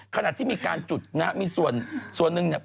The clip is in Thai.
ขณะที่มีการจุดนะมีส่วนหนึ่งเนี่ย